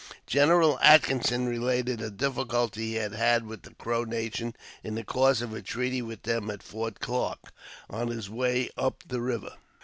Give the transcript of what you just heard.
General Atkinson related a difficulty he had had with the Crow nation in the course of a treaty with them at Fort Clarke, on his way up the river.